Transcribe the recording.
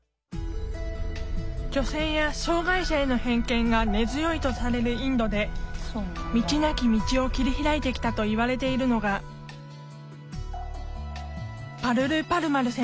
女性や障害者への偏見が根強いとされるインドで道なき道を切り開いてきたといわれているのがパルル・パルマル選手。